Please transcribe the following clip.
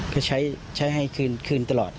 ก็ใช้ให้คืนตลอด